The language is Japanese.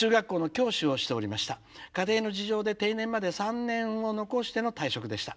家庭の事情で定年まで３年を残しての退職でした。